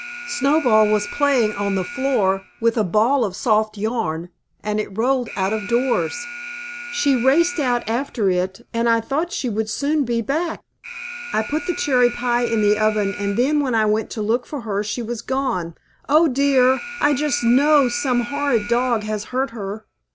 Snowball was playing on the floor, with a ball of soft yarn, and it rolled out of doors. She raced out after it, and I thought she would soon be back. I put the cherry pie in the oven and then when I went to look for her she was gone. Oh, dear! I just know some horrid dog has hurt her."